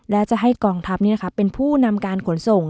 และจะให้กองทัพเป็นผู้นำการขนส่ง